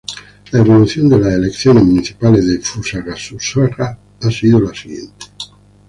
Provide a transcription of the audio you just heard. La evolución de las elecciones municipales de Fusagasugá ha sido la siguiente.